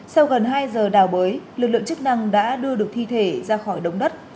sau gần hai giờ đào bới lực lượng chức năng đã đưa được thi thể ra khỏi đống đất